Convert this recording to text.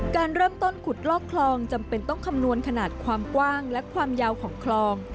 การเริ่มต้นขุดลอกคลองจำเป็นต้องคำนวณขนาดความกว้างและความยาวของคลอง